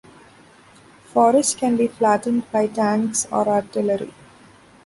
Forests can be flattened by tanks or artillery.